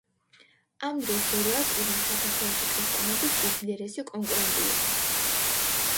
ამ დროს ზოროასტრიზმი საქართველოში ქრისტიანობის უძლიერესი კონკურენტი იყო.